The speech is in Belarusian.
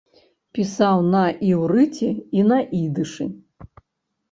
Пісаў на іўрыце і на ідышы.